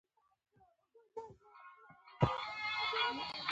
کوټوالی ته رپوټونه ورکړي.